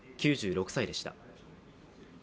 ９６歳でした。